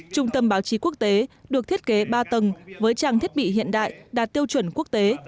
trung tâm báo chí quốc tế được thiết kế ba tầng với trang thiết bị hiện đại đạt tiêu chuẩn quốc tế